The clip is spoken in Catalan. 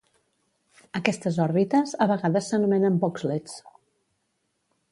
Aquestes òrbites a vegades s'anomenen "boxlets".